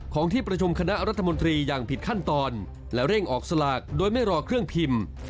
ที่ประชุมคณะรัฐมนตรีอย่างผิดขั้นตอนและเร่งออกสลากโดยไม่รอเครื่องพิมพ์